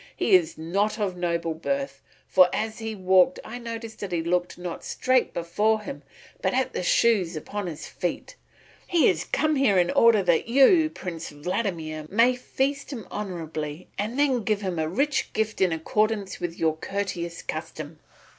He is not of noble birth, for as he walked I noticed that he looked not straight before him but at the shoes upon his feet. He has come here in order that you, Prince Vladimir, may feast him honourably and then give him a rich gift in accordance with your courteous custom."